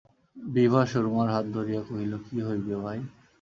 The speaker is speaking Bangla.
বিভা সুরমার হাত ধরিয়া কহিল, কী হইবে ভাই?